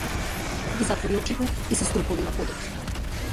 Ги затвори очите и се струполи на подот.